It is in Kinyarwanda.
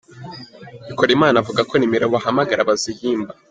Bikorimana avuga ko nimero bahamagara bazihimba.